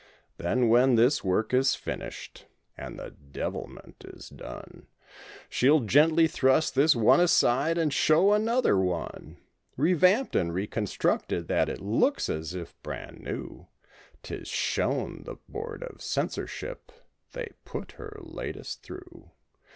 Then when this work is finished and the devilment is done She'll gently thrust this one aside and show another one Revamped and reconstructed that it looks as if brand new; 'Tis shown the "Board of Censorship"—they put her "latest" through.